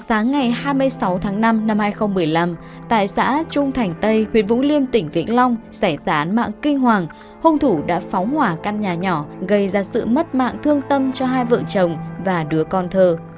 già sáng ngày hai mươi sáu tháng năm năm hai nghìn một mươi năm tại xã trung thành tây huyện vũng liêm tỉnh vĩnh long xẻ gián mạng kinh hoàng hôn thủ đã phóng hỏa căn nhà nhỏ gây ra sự mất mạng thương tâm cho hai vợ chồng và đứa con thờ